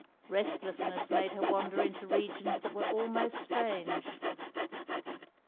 Restlessness made her wander into regions that were almost strange.